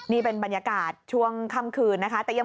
นี่เป็นบรรยากาศช่วงค่ำคืนนะคะ